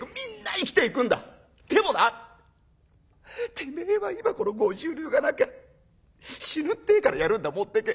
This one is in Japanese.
てめえは今この５０両がなきゃ死ぬってえからやるんだ持ってけ」。